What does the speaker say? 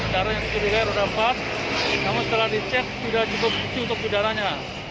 karena yang tertinggal sudah pas namun setelah dicek tidak cukup untuk udaranya